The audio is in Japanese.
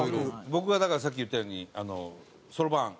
僕はだからさっき言ったようにそろばん。